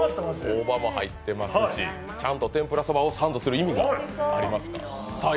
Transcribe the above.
大葉も入ってますし、ちゃんと天ぷら蕎麦をサンドする意味がありますか。